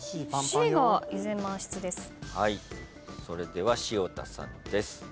それでは潮田さんです。